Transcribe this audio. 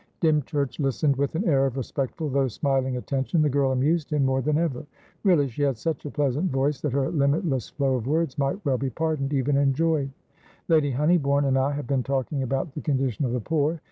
Dymchurch listened with an air of respectful, though smiling, attention. The girl amused him more than ever. Really, she had such a pleasant voice that her limitless flow of words might well be pardoned, even enjoyed. "Lady Honeybourne and I have been talking about the condition of the poor.